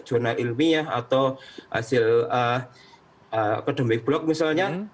zona ilmiah atau hasil kodemik blok misalnya